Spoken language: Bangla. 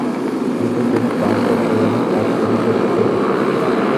বিপজ্জনক বাউন্সার প্রদানে তার সবিশেষ খ্যাতি ছিল।